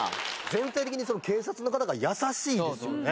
全体的にその警察の方が優しいですよね。